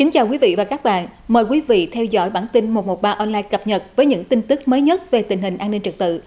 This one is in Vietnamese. chào mừng quý vị đến với bản tin một trăm một mươi ba online cập nhật với những tin tức mới nhất về tình hình an ninh trật tự